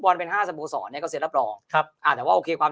พลังเป็น๕สบูรณ์สอไงก็เสร็จรับรองครับแต่ว่าโอเคความ